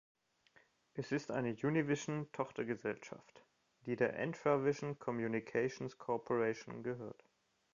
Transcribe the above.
Es ist eine Univision-Tochtergesellschaft, die der Entravision Communications Corporation gehört.